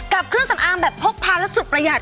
เครื่องสำอางแบบพกพาและสุขประหยัด